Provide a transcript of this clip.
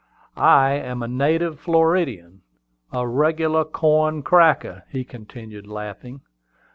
I am a native Floridian, a regular corn cracker," he continued, laughing.